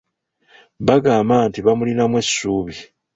Bagamba nti bamulinamu essuubi.